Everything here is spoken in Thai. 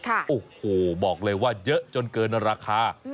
โอ้โหบอกเลยว่าเยอะจนเกินราคา